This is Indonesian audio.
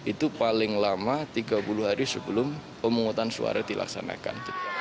itu paling lama tiga puluh hari sebelum pemungutan suara dilaksanakan